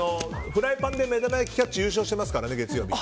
フライパンで目玉焼きキャッチ優勝してますからね、月曜日。